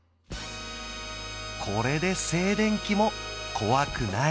これで静電気も怖くない